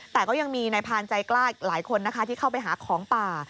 แต่ก็ยังมีในพาร์นใจกล้าหลายคนที่เข้าไปหาของป่า